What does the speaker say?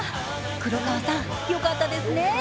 黒川さん、よかったですね。